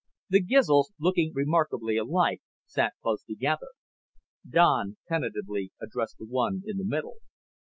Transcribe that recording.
The Gizls, looking remarkably alike, sat close together. Don tentatively addressed the one in the middle.